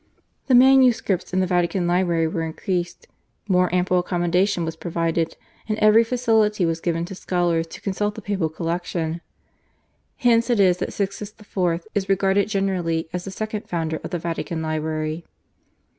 The manuscripts in the Vatican Library were increased, more ample accommodation was provided, and every facility was given to scholars to consult the papal collection. Hence it is that Sixtus IV. is regarded generally as the second founder of the Vatican Library.